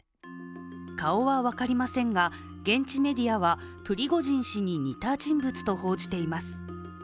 顔は分かりませんが、現地メディアはプリゴジン氏に似た人物だと報じています。